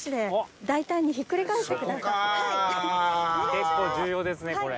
結構重要ですねこれ。